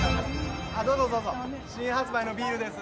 あっどうぞどうぞ新発売のビールです